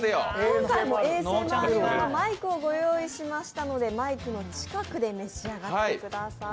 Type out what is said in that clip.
今回もＡＳＭＲ用のマイクをご用意しましたので、マイクの近くで召し上がってください。